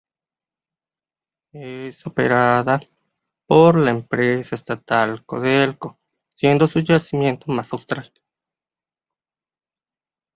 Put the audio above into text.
Es operada por la empresa estatal Codelco, siendo su yacimiento más austral.